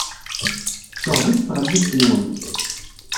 Tecɣeb-itt tɣellist-nwen.